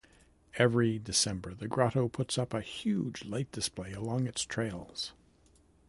Every December The Grotto puts up a huge light display along its trails.